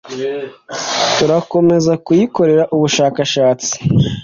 turakomeza kuyikorera ubushakashatsi